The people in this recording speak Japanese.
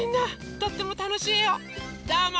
とってもたのしいえをどうも。